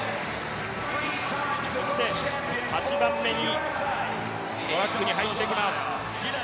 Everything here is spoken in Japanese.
そして８番目にトラックに入ってきます。